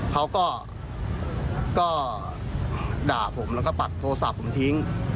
เขาก็ด่าผมแล้วก็ปักโทรศัพท์ผมทิ้ง